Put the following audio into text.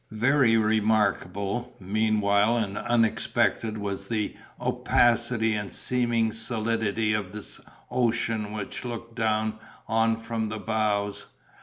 Very remarkable, meanwhile, and unexpected, was the opacity and seeming solidity of the ocean when looked down on from the bows.